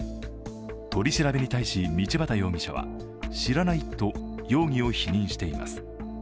取り調べに対し道端容疑者は、知らないと容疑を否認しています。